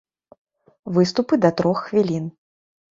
Выступы да трох хвілін.